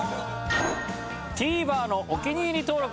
ＴＶｅｒのお気に入り登録